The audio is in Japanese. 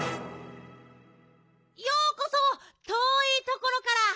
「ようこそとおいところから。